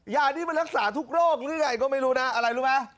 ยานี้มันรักษาทุกโรคหรือยังไงก็ไม่รู้นะอะไรรู้ไหม